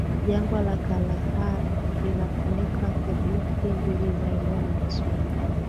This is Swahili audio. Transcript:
Jangwa la Kalahari linafunika theluthi mbili za eneo la Botswana